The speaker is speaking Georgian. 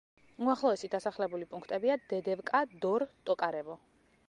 უახლოესი დასახლებული პუნქტებია: დედევკა, დორ, ტოკარევო.